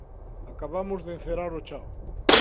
Acabamos de encerar o chan.